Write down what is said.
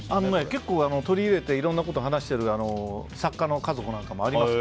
結構、取り入れていろんなこと話している作家の家族なんかもあります。